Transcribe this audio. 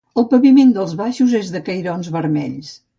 El paviment dels baixos és de cairons vermells.